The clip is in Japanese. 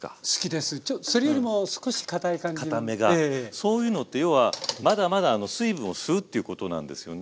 そういうのって要はまだまだ水分を吸うっていうことなんですよね。